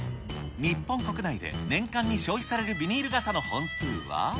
日本国内で年間に消費されるビニール傘の本数は？